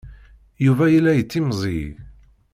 Yuba yella yettimẓiy.